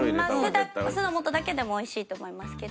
酢の素だけでも美味しいと思いますけど。